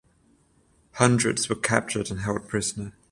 Hundreds were captured and held prisoner.